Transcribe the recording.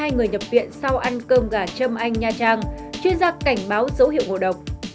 hai trăm hai mươi hai người nhập viện sau ăn cơm gà châm anh nha trang chuyên gia cảnh báo dấu hiệu ngộ độc